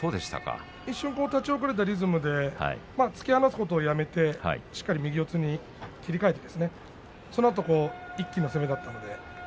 一瞬、立ち遅れたリズムで突き放すことをやめてしっかり右四つに切り替えてそのあと一気の攻めだったので。